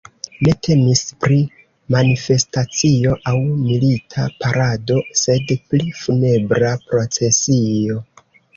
Ne temis pri manifestacio aŭ milita parado, sed pri funebra procesio.